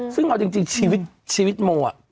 ซึ่งเอาจริงชีวิตโมอ่ะ